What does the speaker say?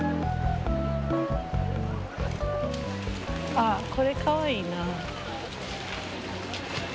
ああこれかわいいな。